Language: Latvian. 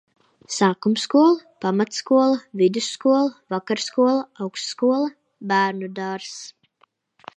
Sākumskola, pamatskola, vidusskola, vakarskola, augstskola. Bērnudārzs.